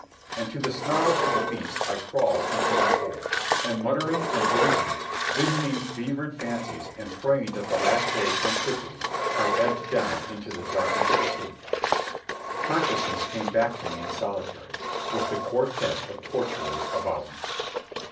And to the snarls of the beasts I crawled into my hole, and, muttering and dozing, visioning fevered fancies and praying that the last day come quickly, I ebbed down into the darkness of sleep. Consciousness came back to me in solitary, with the quartet of torturers about me.